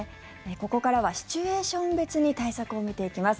ここからはシチュエーション別に対策を見ていきます。